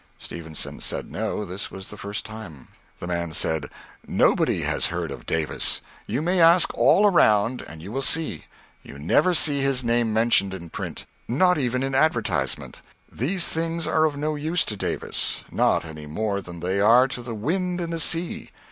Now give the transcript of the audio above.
Stevenson said no, this was the first time. The man said "Nobody has heard of Davis: you may ask all around and you will see. You never see his name mentioned in print, not even in advertisement; these things are of no use to Davis, not any more than they are to the wind and the sea.